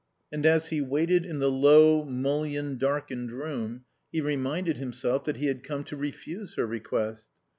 And as he waited in the low, mullion darkened room he reminded himself that he had come to refuse her request.